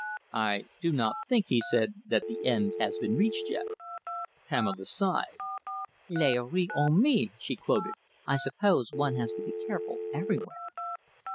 "I do not think," he said, "that the end has been reached yet." Pamela sighed. "Les oreilles ennemies!" she quoted. "I suppose one has to be careful everywhere."